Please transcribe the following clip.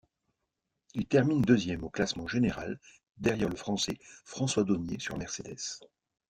Il termine deuxième au classement général derrière le français François Donnier sur Mercedes.